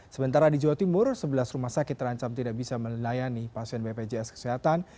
sementara di jawa timur sebelas rumah sakit terancam tidak bisa melayani pasien bpjs kesehatan